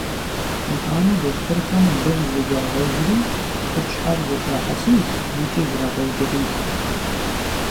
Итӏанэ дохутырхэм лыр зэгуагъэжри, къупщхьэр зэхуахьэсыж икӏи зрагъэубыдыж.